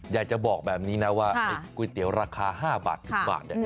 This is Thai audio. อยากจะบอกแบบนี้นะว่าไอ้ก๋วยเตี๋ยวราคา๕บาท๑๐บาท